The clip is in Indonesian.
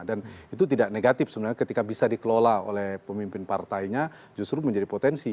dan itu tidak negatif sebenarnya ketika bisa dikelola oleh pemimpin partainya justru menjadi potensi